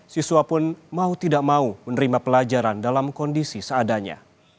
siswa pun mau tidak mau menerima pelajaran dalam kondisi seadanya